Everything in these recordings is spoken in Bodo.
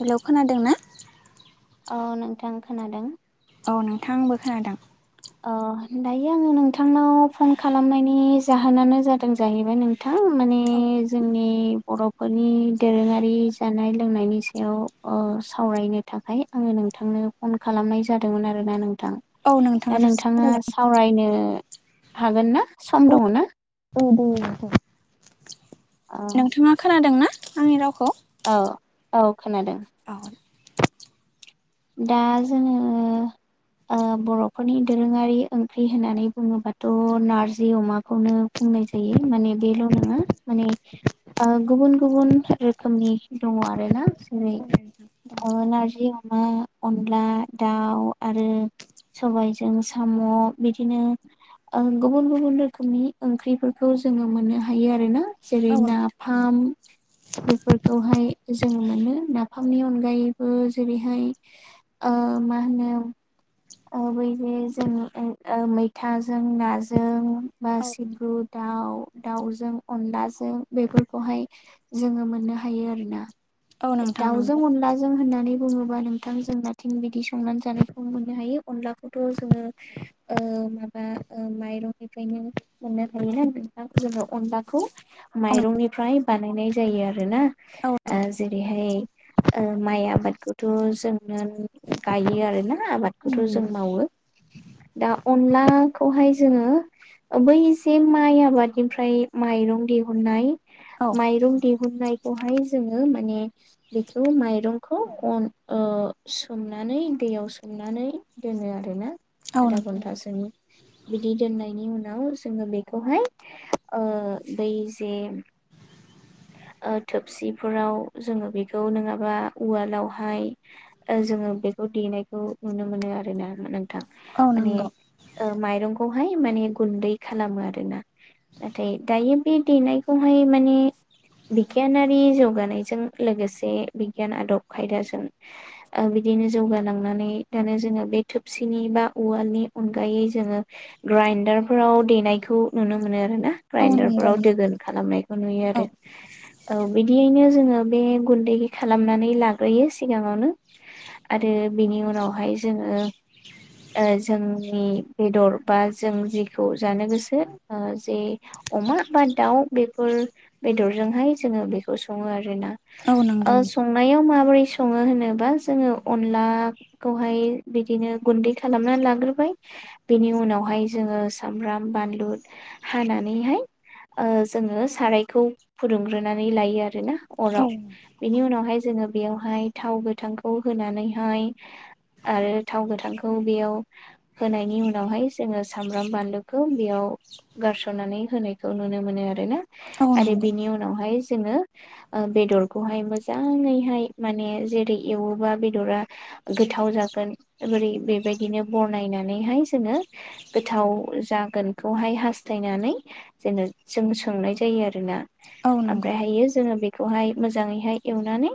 हेलौ खोनादों ना? औ नोंथां खोनादों औ नोंथां आंबो खोनादों अ दायो आङो नोंथांनाव फन खालामनायनि जाहोनानो जादों जाहैबाय नोंथां माने जोंनि बरफोरनि दोरोङारि जानाय लोंनायनि सायाव सावरायनो थाखाय आङो नोंथांनो फन खालामनाय जादोंमोन आरोना नोंथां औ नोंथां दा नोंथाङा सावरायनो हागोन ना सम दङ ना? ओ दे दे औ नोंथाङा खोनादोंनाा आंनि रावखौ? औ औ खोनादों औ दा जोङो ओ बर फोरनि दोरोङारि ओंख्रि होननानै बुङोबाथ नारजि अमाखौनो बुंनाय जायो माने बेल नङा माने गुबुन गुबुन रोखोमनि दङ आरोना जेरै ओ नार्जि अमा अनला दाउ आरो सबायाइजों साम बिदिनो ओ गुबुन गुबुन रोखोमनि ओंख्रिफोरखौ जोङो मोननो हायो आरोना जेरै औ नोंथां नाफाम खौहाय जों मोनो नाफामनि अनगायैबो जेरैहाय आ मा होनो? ओ बैदि जों मैथाजों नाजों बा औ सिब्रु दा दाउ दाउजों अनलाजों बेफोरखौहाय जोङो मोननो हायो आरोना औ नोंथां दाउजों नंगौ अनलाजों होननानै बुङोबा नोंथां जोंनाथिं बिदि संनानै जानायखौ मोननो हायो अनलाखौथ जोङो ओ माबा ओ माइरंनिफ्रायनो मोननो हायोना जोङो अनलाखौ औ माइरंनिफ्राय बानायनाय जायो आरो ना औ ओ नोंथां। जेरैहाय ओ माइ आबादखौथ जों गायो आरोना आबादखौथ जों मावो दा अनलाखौहाय जोङो बै जे माइ आबादनिफ्राय माइरं दिहुननाय औ माइरं दिहुननाय खौहाय जोङो माने बेखौ माइरंखौ अन ओ सोमनानै दैयाव सोमनानै दोनो आरोना औ आधा नोंथां घन्टासोनि बिदि दोननायनि उनाव जोङो बेखौहाय ओ दै जे ओ थोपसिफोराव जोङो बेखौ नङाबा उवालावहाय ओ जोङो बे खो देनायखौ नुनो मोनो आरो ना नोंथां औ माने नंगौ ओ माइरंखौ हाय माने गुन्दै खालामो आरोना नाथाय दायो बे देनायखौहाय माने बिगियानारि जौगानायजों लोगोसे बिगियान आदब खायदाजों ओ बिदिनो जौग लांनानै द जोङो बे थोरसिनि बा उवालनि अनगायै जोङो ग्राइडारफोराव देनायखौ नुनो मोनो आरो ना औ ग्राइडार नंगौ फोराव नों दोगोन खालामनायखौ नुयो औ आरो औ बिदियैनो जोङो बे गुन्दै खालामनानै लाग्रोयो सिगाङावनो आरो बेनि उनावहाय जोङो जोंनि बेदर बा जों जेखौ जानो गोसो जे अमा बा दाउ बेफोर बेदरजोंहाय जोङो बेखौ सङो आरो ना औ नंगौ ओ नंगौ संनायाव माबोरै ओ सङो होनोबा जोङो अनलाखौहाय बिदिनो गुन्दै खालामनानै लाग्रोबाय। बेनि उनावहाय जोङो सामब्राम बानलु हानानैहाय जोङो सारायखौ फुदुंग्रोनानै लायो आरोना औ अराव बिनि उनावहाय जोङो बेयावहाय थाव गोथांखौ होनानैहाय आरो थाव गोथांखौ बेयाव होनायनि उनावहाय जोङो सामब्राम बानलुखौ बेयाव गारस'नानै होनायखौ नुनो मोनो आरो ना। औ आरो नंगौ बिनि उनावहाय जोङो बेदरखौहाय मोजाङैहाय माने जेरै एवोबा बेदरा गोथाव जागोन बोरै बेबायदिनो बरनायनानैहाय जोङो गोथाव जागोनखौहाय हास्थायनानै जेन जों सोंनाय जायो आरो औ नंगौ ओमफ्राय हाय जों बे खौहाय मोजाङैहाय एवनानै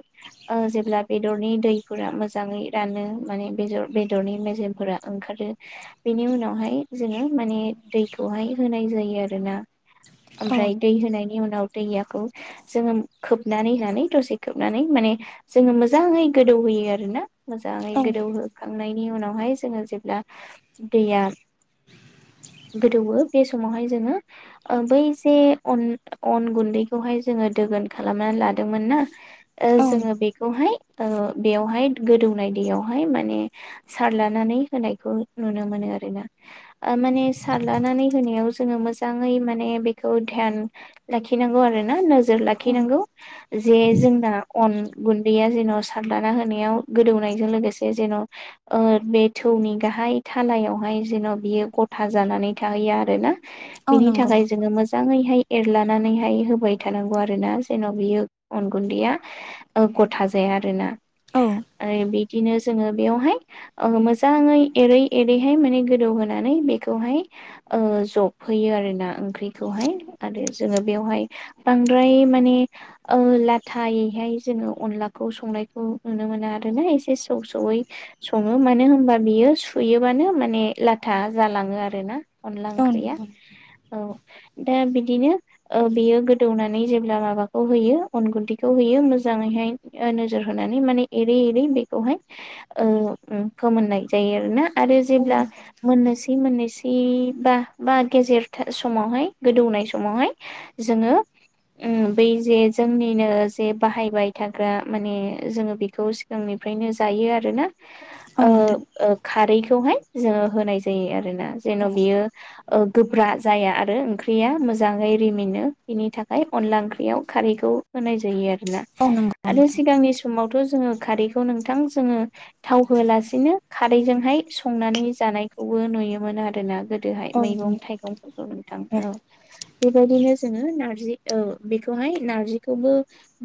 ओ जेब्ला बेदरनि दैफोरा मोजाङै रानो म यै बेदर बेदरनि मेजेमफोरा बिनि उनावहाम जों माने दैखौहाय नाया होनाय जायो आरो ना औ ओमफ्राय दै होनना बेनि उनाव दैखौ जोङो खोबनानै होननानै दसे खोबनानै माने जोङो मोजाङै गोदौ होयो आरो ना मोजाङै औ गोदौहो खांनायनि उनावहाय जोङो जेब्ला दैया गोदौ बे समावहाय जोङो बै जे अन अन गुन्दैखौहाय जोङो दोगोन खालामनानै लादोंमोन ना ओ औ जोङो बेखौहाय ओ बेयावहाय गोदौनाय दैयावहाय माने सारलानानै होनायखौ नुनो मोनो आरो ओ माने सारलानानै होनायाव जोङो मोजाङै माने बेखौ ध्यान लाखिनांगौ आरोना नोजोर लाखिनांगौ जे जोंना। अन गुन्दैया जेन' सारलाना होनायाव गोदौनायजों लोगोसे जेन ओ बे थौ नि गाहाय थालायावहाय जेन' बियो गथा जानानै थाहैया आरो ना औ बिनि नंगौ थाखाय जोङो मोजाङैहाय एरलानानैहाय होबाय थानांगौ आरो ना जेन' बियो अन गुन्दैया ओ गथा जाया। आरोना औ ।ओ बिदिनो जोङो बेयावहाय ओ मोजाङै एरै एरैहाय माने गोदौहोनानै बेखौहाय औ जबहैयो आरो ना ओंख्रिखौहाय। आरो जोङो बेवहाय बांद्राय माने ओ लाथायैहाय जोङो अनलाखौ संनायखौ नुनो मोना आरोना एसे सौ सौयै सङो मानो होनबा बियो सुयोबानो माने लाथा जालाङो आरोना अनला औ ओंख्रिया नंगौ औ दा बि बिदिनो ओ बेयो गोदौनानै जेब्ला माबाखौ होयो अन गुन्दैखौ होयो मोजाङैहाय बा नोजोर होनानै माने एरै एरै बेखौहाय फोमोननाय जायो आरोना। आरो औ जेब्ला मोनननोसै मोननैसै बा बा गेजेर समावहाय गोदौनाय समावहाय जोङो उम बै जे जोंनिनो जे बाहायबाय थाग्रा माने जोङो बेखौ सिगांनि निफ्रायनो जायो आरो ना। औ ओ नोंथां ओ खारैखौहाय जोङो होनाय जायो आरोना जेन' औ बियो ओ गोब्रा जाया आरो ओंख्रिया मोजां मोजाङै रिमिनो बेनि थाखाय अनला ओंख्रियाव खारैखौ होनाय जायो आरो औ [unintelligible] नंगौ आरो नोंथां सिगांनि समावथ' जोंङो खारैखौ नोंथां जोङो थाव होलानो खारैजोंहाय संनानै जानायखौ बो नुयोमोन आरोना गो दोहाय औ मैगं थाइगंफोरखौ नोंथां। औ बेबायदिनो जोङो नारजि औ बेखौहाय नारजिखौबो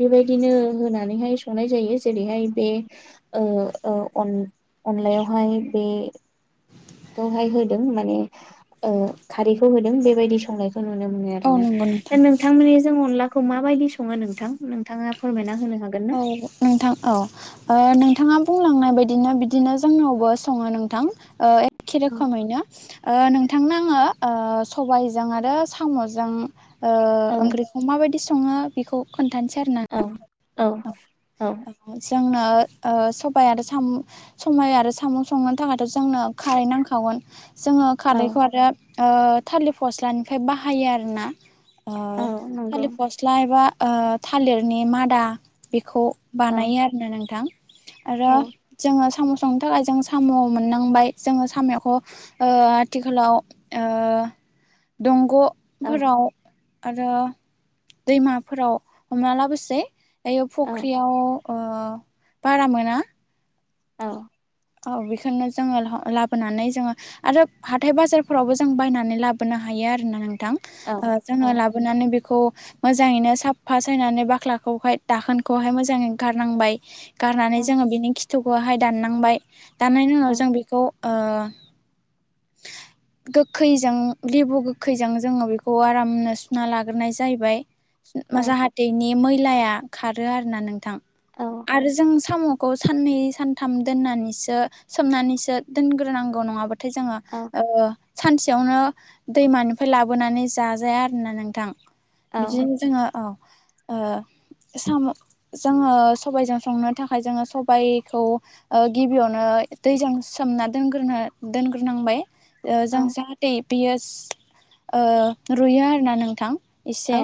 बेबायदिनो होनानैहाय संनाय जायो जेरैहाय बे ओ ओ अनलायावहाय बे खौहाय होदों माने ओ खारैखौ होदों बेबायदि संनायखौ नो नुनो मोनो आरो औ ना नंगौ दा नोंथां नोंथांनि जों अनलाखौ मा बायदि सङो नोंथां नोंथाङा फोरमायना होनो हागोन ना? औ नोंथां। औ नोंथाङा बुंलांनाय बाय दिनो बिदिनो जोंनावबो सङो नोंथां एखे औ रोखोमैनो। ओ नोंथांनो आङो सबायजों आरो साम'जों ओ औ ओंख्रिखौ माबायदि सङो बेखौ खोन्थानोसै आरो ना। औ औ। जोंनो ओ सबाय आरो साम सबाय आरो साम' संनो थाखायथ' जोंनो खारै नांखागोन। जोङो औ खारैखौ आरो ओ थालिर फस्लानिफ्राय बाहायो आरोना। ओ औ नंगौ थालिर फस्ला एबा थालिरनि मादा बेखौ औ बानायो आरोना नोंथां आरो औ जोङो साम' संनो थाखाय जों साम' मोननांबाय जोङो साम'खौ आथिखालाव ओ दंग' औ फोराव आरो दैमाफोराव हमना लाबोसै। दायो औ फुख्रियाव ओ बारा मोना। औ। औ बेखौनो जोङो लाबोनानै जोङो आरो हाथाय बाजारफोरावबो जों बायनानै लाबोनो हा हायो आरो ना नोंथां औ ओ जोंओ लाबोनानै बे खौ मोजाङैनो साफा सायनानै बाख्लाखौहाय दाखोनखौहाय मोजाङै गारनांबाय गारनानै औ जोङो बिनि खिथुखौहाय दाननांबाय दाननायनि औ उनाव जों बेखौ ओ [inaudible] गोखैजों लेबु गोखैजों जोङो बेखौ आरामनो सुना लाग्रोनाय जाहैबाय। औ जाहाथे इनि मैलाया खारो आरो ना नोंथां आरो जों साम'खौ साननै सानथाम दोननानैसो सोमनानैसो दोनग्रोनांगौ। नङाबा थाय जोङो औ ओ सानसेयावनो दैमानिफ्राय लाबोनानै जाजाया आरोना नोंथां। औ बिदिनो जोङो अ ओ साम' जोङो सबजों संनो थाखाय जोङो सबाइखौ गिबियावनो दैजों सोमना दोनग्रोनो दोनग्रोनांबाय जों औ जाहाथे बेयास ओ रुइयो आरोना नोंथां। औ एसे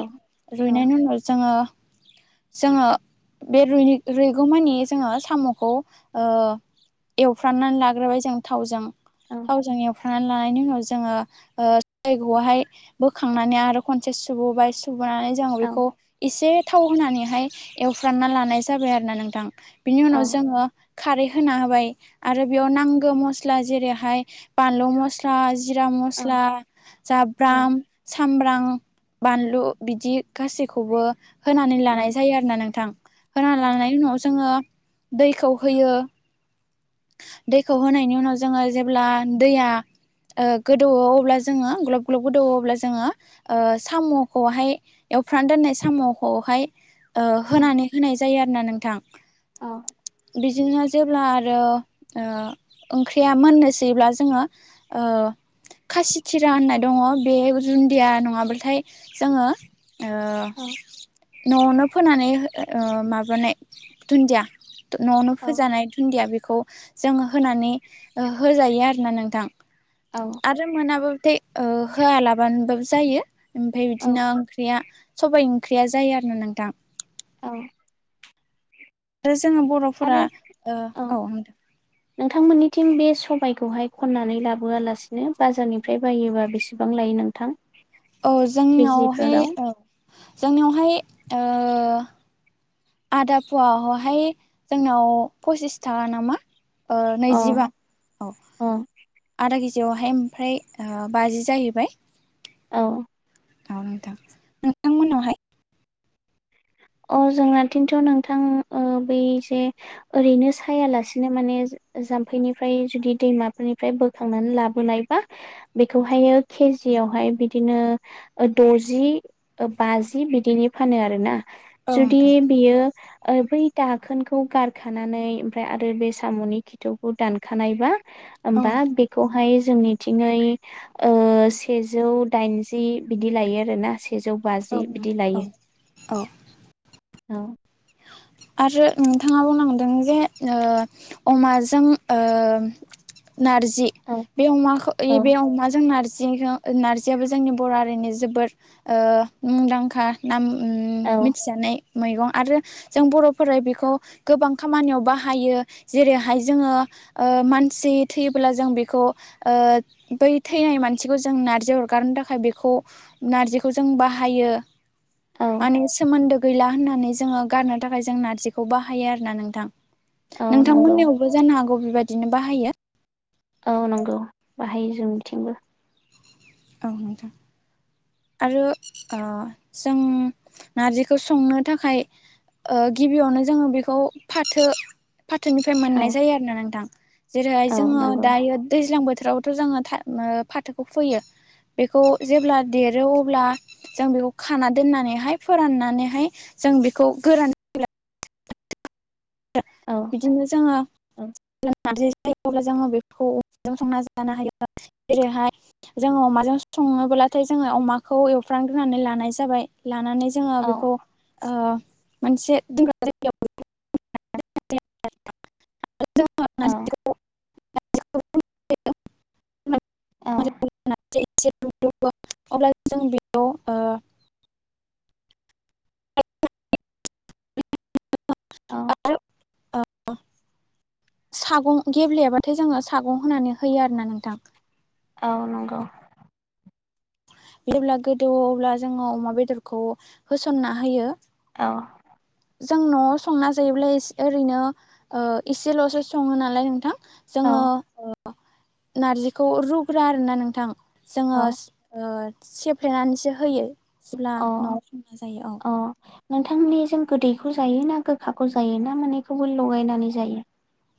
औ रुइनायनि उनाव जोङो जोङो बे रुइ रुइ गौमानि जोङो साम'खौ ओ एवफ्रामनानै लाग्रोबाय जों थावजों। औ थावजों एव खांनानै लानायनि उनाव जोङो जय [unintelligible] आवहाय बोखांनानै आरो खनसे सुबाव बाय सु बोनानै जोङो औ बेखौ एसे थाव होनानैहाय एवफ्रामना लानाय जाबाय आरो ना नोंथां। बिनि उनाव औ जोङो खारै होना होबाय आरो बेयाव नांगौ मस्ला जेरैहाय बानलु मस्ला जिरा औ मस्ला जा औ ब्राम [unintelligible] सामब्रां बानलु बिदि गासैखौबो होनानै औ लानाय जायो आरोना नोंथां। होना लानायनि उनाव जोङो दैखौ होयो। दैखौ होनायनि उनाव जोङो जेब्ला दैया ओ गोदौवो अब्ला जोङो ग्लाब ग्लाब गोदौवो अब्ला जोङो ओ साम'खौहाय एवफ्रान दोननाय साम'खौहाय ओ होनानै होनाय जायो आरोना नोंथां बिदिनो जेब्ला आरो ओ ओंख्रिया मोननोसैब्ला जोङो ओ खासि थिरा होननाय दङ बे रुन्दिया नङाब्लाथाय जोङो ओ औ न'आवनो फोनानै ओ माबानाय दुन्दिया । न'आवनो औ फोजानाय दुन्दिया बेखौ जों होनानै होजायो । आरोना नोंथां औ आरो मोनाब्लाथाय होआलाबानोबाबो जायो । ओमफ्राय बिदिनो ओंख्रिया सबाइ ओंख्रिया जायो आरो ना नोंथां । औ आरो जोङो बर'फोरा आरो ओ औ नोंथांमोननिथिं बे सबबायखौहाय खननानै लाबोआलासिनो बाजारनिफ्राय बायोबा बेसेबां लायो नोंथां? औ जोंनियावहाय केजिफोराव ओ जोंनियावहाय ओ आदा फवाखौहाय जोंनाव फसिस थाखा नामा? ओ अ नैजिबा औ अ आदा केजि जौआवहाय ओमफ्राय ओ बाजि जाहैबाय । औ औ नोंथां नोंथांमोननावहाय? अ जोंनाथिंथ' नोंथां ओ बै जे ओरैनो सायालासिनो माने जाम्फैनिफ्राय जुदि दैमाफोरनिफ्राय बोखांनानै लाबोनायबा बेखौहायो के जियावहाय बिदिनो द'जि बाजि बिदिनि फानो आरो ना? औ जुदि नोंथां बियो ओ बै दाखोनखौ गारखानानै ओमफ्राय आरो बे साम'नि खिथौखौ दानखानायबा औ होमबा बेखौहाय जोंनिथिंयै ओ सेजौ दाइनजि बिदि लायो आरोना सेजौ औ बाजि बिदि नोंथां लायो औ औ । [inaudible] आरो नोंथाङा बुंलांदों जे ओ अमाजों ओ नार्जि औ बे अमाखौ औ बे अमाजों नारजि जि नारजियाबो जोंनि बर' हारिनि जोबोद ओ मुंदांखा नाम ओ औ मिथि जानाय मैगं आरो जों बर'फोरा बेखौ गोबां खामानियाव बाहायो जेरैहाय जोङो ओ मान सि थैयोब्ला जों बेखौ ओ बै थैनाय मानसिखौ जों नारजि अरगारनो थाखाय बे खौ नारजिखौ जों बाहायो औ मानि सोमोनदो गैला होननानै जोङो गारनो थाखाय जों नारजिखौ बाहायो आरो ना नोंथां? औ नंगौ नोंथांमोननियावबो जानो हागौ बेबायदिनो बाहायो? औ नंगौ बाहायो जोंनिथिंबो । औ नोंथां । आरो जों नारजिखौ संनो थाखाय ओ गिबियावनो जोङो बेखौ फाथो फाथोनिफ्राय औ मोननाय जायो आरोना नोंथां । जेरैहाय औ जोङो नंगौ दायो दैज्लां बोथोरावथ' जोङो फाथोखौ फोयो । बेखौ जेब्ला देरो अब्ला जों बेखौ खाना दोननानैहाय फोराननानैहाय जों बेखौ गोरान औ बिदिनो जोङो औ योब्ला जोङो बेफोरखौ संना जानो हायो जेरैहाय जोङो अमाजों सङो अब्लाथाय जों अमाखौ एवफ्रामग्रोनानै लानाय जाबाय लानानै जोङो औ बेखौ ओ मोनसे दोनग्रा जायगायाव [unintelligible] [unintelligible] [unintelligible] औ अब्ला जों बेयाव ओ औ अ सागं गेब्लेयाबाथाय जोङो सागं होनानै होयो आरोना नोंथां औ नंगौ जेब्ला गोदौवोब्ला जोङो अमा बेदरखौ होसनना होयो अ जों न'आव संना जायोब्ला ओरैनो एसेल'सो सङो नालाय नोंथां औ जोङो नारजिखौ रुग्रा आरोना नोंथां जोङो औ ओ सेफ्लेनानैसो होयो सिब्ला न'आव संना जायो औ नोंथांनिजों गोदैखौ जायो ना गोखाखौ जायो ना मोननैखौबो लगायनानै जायो